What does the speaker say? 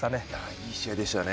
いい試合でしたね。